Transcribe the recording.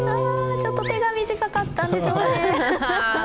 ちょっと手が短かったんでしょうね。